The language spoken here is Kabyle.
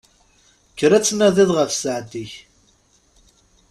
Kker ad tnadiḍ ɣef sseɛd-ik!